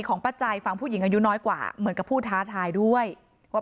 แต่จังหวะที่ผ่านหน้าบ้านของผู้หญิงคู่กรณีเห็นว่ามีรถจอดขวางทางจนรถผ่านเข้าออกลำบาก